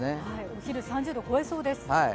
お昼３０度超えそうです。